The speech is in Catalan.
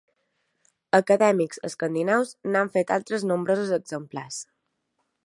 Acadèmics escandinaus n'han fet altres nombrosos exemplars.